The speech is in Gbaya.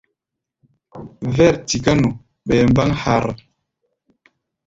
Vɛ̂r tiká nu ɓɛɛ mbáŋ harrr.